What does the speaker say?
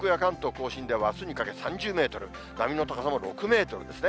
甲信ではあすにかけ３０メートル、波の高さも６メートルですね。